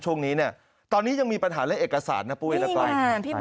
ช่วงนี้ตอนนี้ยังมีปัญหาในเอกสารนะปุ๊ยน้าไกล